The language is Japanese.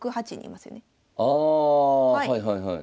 ああはいはいはい。